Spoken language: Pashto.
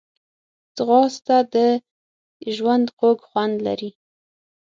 ځغاسته د ژوند خوږ خوند لري